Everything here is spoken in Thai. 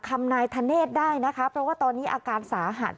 คำนายธเนธได้นะคะเพราะว่าตอนนี้อาการสาหัส